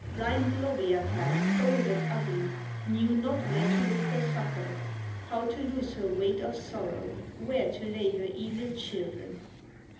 Blind Lowyatar, old and ugly, Knew not where to look for succor, How to lose her weight of sorrow, Where to lay her evil children.